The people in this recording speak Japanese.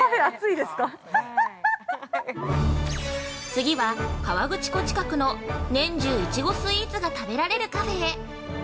◆次は、河口湖近くの年中いちごスイーツが食べられるカフェへ！